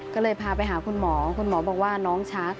ก็เลยพาไปหาคุณหมอคุณหมอบอกว่าน้องชัก